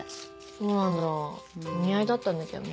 そうなんだお似合いだったんだけどね。